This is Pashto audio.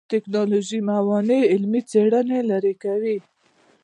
د ټکنالوژۍ موانع علمي څېړنې لرې کوي.